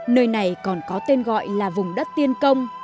nơi này còn có tên gọi là vùng đất tiên công